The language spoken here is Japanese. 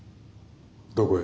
どこへ？